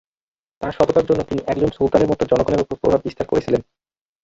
তার সততার জন্যই তিনি একজন সুলতানের মতো জনগণের ওপর প্রভাব বিস্তার করেছিলেন।